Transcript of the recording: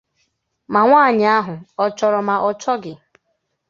Ma nwaanyị ahụ ọ chọrọ ma ọ chọghị